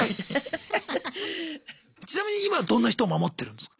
ちなみに今どんな人を守ってるんですか？